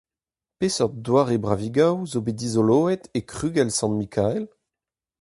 Peseurt doare bravigoù zo bet dizoloet e Krugell Sant Mikael ?